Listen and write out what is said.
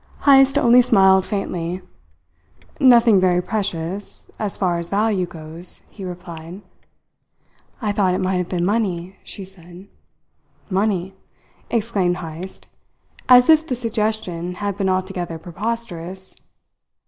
Heyst only smiled faintly. "Nothing very precious, as far as value goes," he replied. "I thought it might have been money," she said. "Money!" exclaimed Heyst, as if the suggestion had been altogether preposterous.